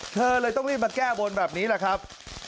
เธอเลยต้องรีบมาแก้บนแบบนี้แหละครับ